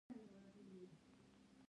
تمه ده چې یوه ورځ به د پلار ځایناستې شي.